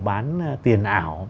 bán tiền ảo